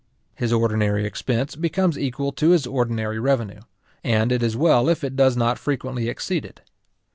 His ordinary expense becomes equal to his ordinary revenue, and it is well if it does not frequently exceed it.